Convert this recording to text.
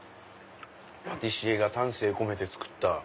パティシエが丹精込めて作った。